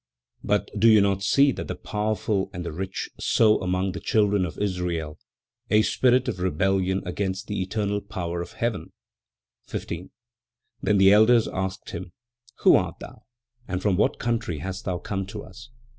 "But do you not see that the powerful, and the rich, sow among the children of Israel a spirit of rebellion against the eternal power of Heaven?" 15. Then the elders asked him: "Who art thou, and from what country hast thou come to us?